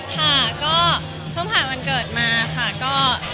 ค่ะก็เพิ่งผ่านวันเกิดมาค่ะก็